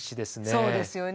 そうですよね。